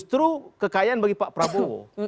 justru kekayaan bagi pak prabowo